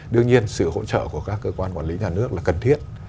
đương nhiên sự hỗ trợ của các cơ quan quản lý nhà nước là cần thiết